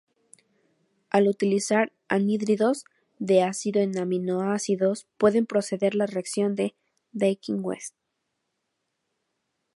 Al utilizar anhídridos de ácido en aminoácidos, puede proceder la reacción de Dakin-West.